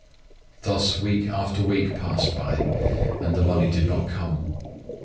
Thus week after week passed away, and the money did not come.